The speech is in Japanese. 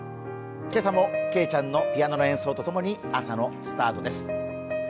今朝もけいちゃんのピアノの演奏とともに朝のスタートです。